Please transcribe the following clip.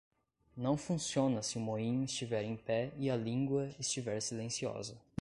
Não funciona se o moinho estiver em pé e a língua estiver silenciosa.